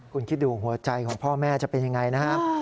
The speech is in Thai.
คุณคิดดูหัวใจของพ่อแม่จะเป็นยังไงนะครับ